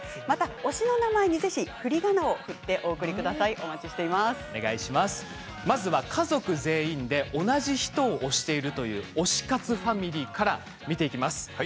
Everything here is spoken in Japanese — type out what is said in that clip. また推しの名前にふりがなを振ってまずは家族全員で同じ人を推しているという推し活ファミリーから見ていきます。